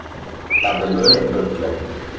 Tabellone Doppio